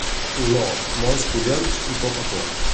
Oló, molts collons i poca por.